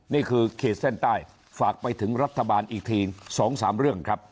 เขตเส้นใต้ฝากไปถึงรัฐบาลอีกที๒๓เรื่องครับ